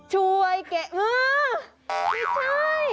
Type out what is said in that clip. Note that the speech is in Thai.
ช่วยเกะอ้าวไม่ใช่